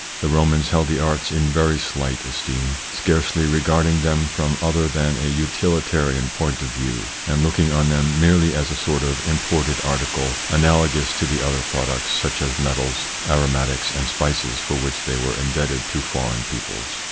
The Romans held the arts in very slight esteem, scarcely regarding them from other than a utilitarian point of view, and looking on them merely as a sort of imported article analogous to the other products, such as metals, aromatics, and spices for which they were indebted to foreign peoples.